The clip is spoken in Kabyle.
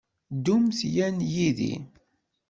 Ddumt yan yid-i.